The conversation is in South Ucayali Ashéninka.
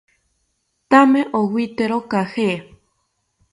Thame owite caje